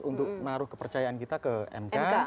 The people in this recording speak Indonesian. untuk menaruh kepercayaan kita ke mk